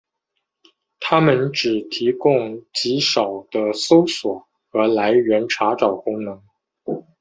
它们只提供极少的搜索和来源查找功能。